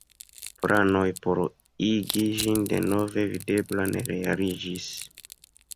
Planoj por igi ĝin denove videbla ne realiĝis.